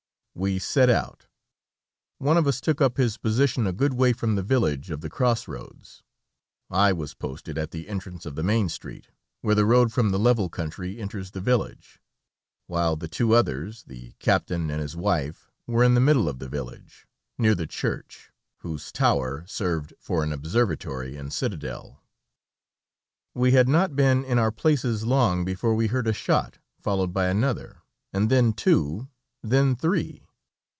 We set out. One of us took up his position a good way from the village of the cross roads; I was posted at the entrance of the main street, where the road from the level country enters the village, while the two others, the captain and his wife were in the middle of the village, near the church, whose tower served for an observatory and citadel. We had not been in our places long before we heard a shot followed by another, and then two, then three.